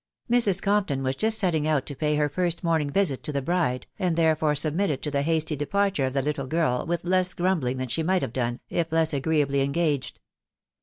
Mrs. Compton was jasfcsetting out to pay her first morning \isit to the bride, and therefore submitted <to the hasty de parture of the little girl with leas grumbling than she night hare done, if less Agreeably engaged.